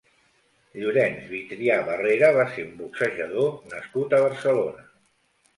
Llorenç Vitrià Barrera va ser un boxejador nascut a Barcelona.